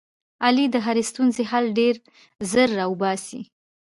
علي د هرې ستونزې حل ډېر زر را اوباسي.